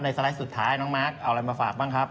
สไลด์สุดท้ายน้องมาร์คเอาอะไรมาฝากบ้างครับ